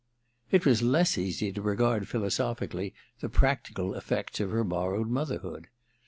It was less easy to regard philosophically the practical effects of her borrowed motherhood.